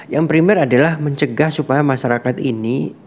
yang primer adalah mencegah supaya masyarakat ini